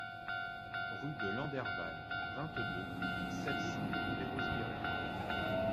Rue de Landerval, vingt-deux, sept cents Perros-Guirec